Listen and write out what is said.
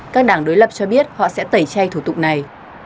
các đảng đối lập cho biết họ sẽ tẩy chay thủ tục này